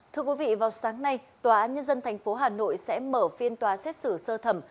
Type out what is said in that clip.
thưa quý vị vào sáng nay tòa án nhân dân tp hà nội sẽ mở phiên tòa xét xử sơ thẩm